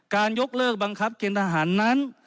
ยกเลิกบังคับเกณฑหารนั้น